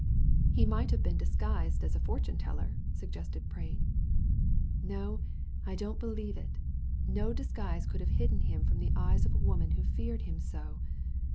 " He mig^ht have been disguised as a fortune teller," suggested Prain, " No, I don't believe it No disguise could have hidden him from the eyes of a woman who feared him so.